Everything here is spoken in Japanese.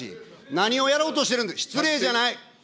何をやろうとしてるんだ、失礼じゃない。